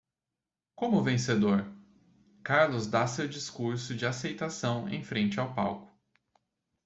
Como vencedor? Carlos dá seu discurso de aceitação em frente ao palco.